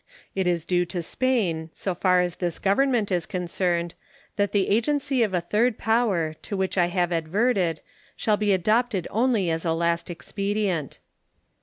It is due to Spain, so far as this Government is concerned, that the agency of a third power, to which I have adverted, shall be adopted only as a last expedient.